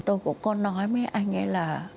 tôi cũng có nói với anh ấy là